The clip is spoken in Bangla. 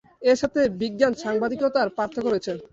এর সাথে বিজ্ঞান সাংবাদিকতার পার্থক্য রয়েছে।